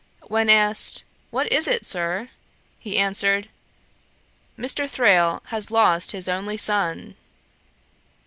When asked, 'What is it, Sir?' he answered, 'Mr. Thrale has lost his only son!